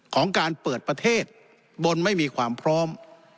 ของการเปิดประเทศบนไม่มีความพร้อม